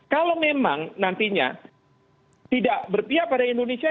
kalau memang nantinya tidak berpihak pada indonesia